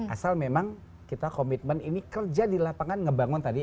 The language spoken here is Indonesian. asal memang kita komitmen ini kerja di lapangan ngebangun tadi